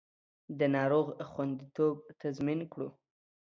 د ناروغ خوندیتوب تضمین کړو